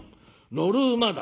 乗る馬だ」。